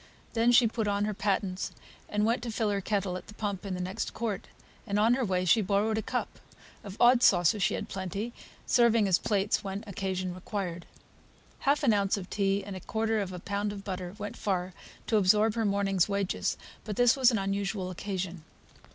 Then she put on her pattens, and went to fill her kettle at the pump in the next court, and on the way she borrowed a cup; of odd saucers she had plenty, serving as plates when occasion required. Half an ounce of tea and a quarter of a pound of butter went far to absorb her morning's wages; but this was an unusual occasion.